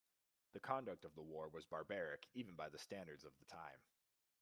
The conduct of the war was barbaric even by the standards of the time.